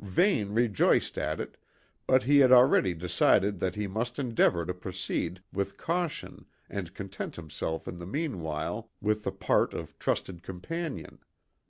Vane rejoiced at it, but he had already decided that he must endeavour to proceed with caution and content himself in the meanwhile with the part of trusted companion.